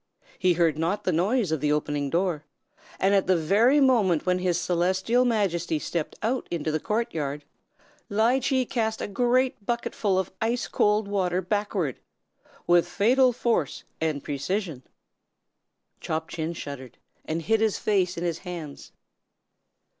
He heard not the noise of the opening door, and at the very moment when His Celestial Majesty stepped out into the court yard, Ly Chee cast a great bucketful of ice cold water backward, with fatal force and precision." Chop Chin shuddered, and hid his face in his hands.